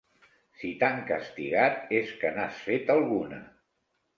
Si t'han castigat és que n'has fet alguna.